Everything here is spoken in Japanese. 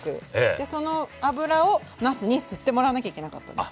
でその脂をなすに吸ってもらわなきゃいけなかったんです。